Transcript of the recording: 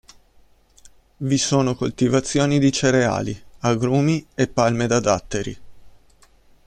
Vi sono coltivazioni di cereali, agrumi e palme da datteri.